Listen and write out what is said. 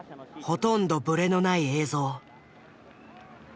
ほとんどブレのない映像。